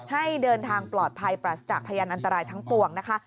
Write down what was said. ให้เดินทางปลอดภัยปราศจากพยานอันตรายทั้งปวงนะคะ